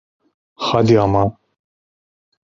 Hadi ama.